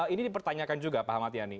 ini dipertanyakan juga pak ahmad yani